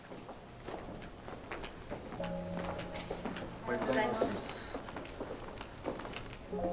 おはようございます。